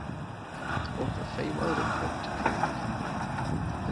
Author Fay Weldon helped to create the campaign.